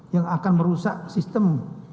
yang akan merusak sistem